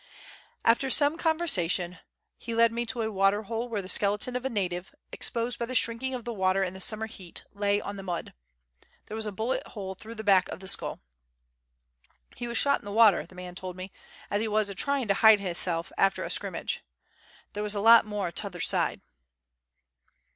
After some conversation he led me to a waterhole, where the skeleton of a native exposed by the shrinking of the water in the summer heat lay on the mud. There was a bullet hole through the back of the skull. " He was shot in the water," the man told me, " as he was a trying to hide hisself after a scrimmage ! There was a lot more tother side."